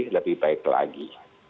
lebih baik lagi